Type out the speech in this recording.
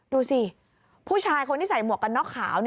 ดูสิผู้ชายคนที่ใส่หมวกกันน็อกขาว